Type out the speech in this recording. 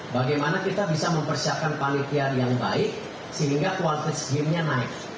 bagaimana kita bisa mempersiapkan panitiar yang baik sehingga quality game nya naik